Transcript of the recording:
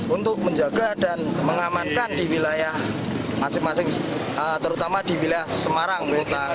untuk menjaga dan mengamankan di wilayah masing masing terutama di wilayah semarang